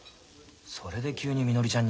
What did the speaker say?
それで急にみのりちゃんに。